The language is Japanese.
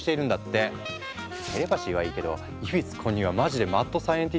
テレパシーはいいけど異物混入はマジでマッドサイエンティストすぎるでしょ！